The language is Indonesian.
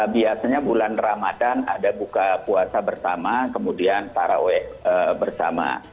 biasanya bulan ramadan ada buka puasa bersama kemudian taraweh bersama